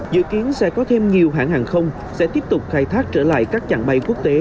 dự kiến sẽ có thêm nhiều hãng hàng không sẽ tiếp tục khai thác trở lại các chặng bay quốc tế